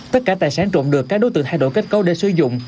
tất cả tài sản trộn được các đối tượng thay đổi cách cấu để sử dụng